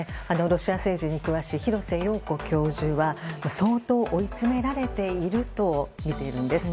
ロシア政治に詳しい廣瀬陽子教授は相当追い詰められているとみているんです。